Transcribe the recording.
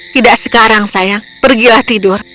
tidak sekarang saya pergilah tidur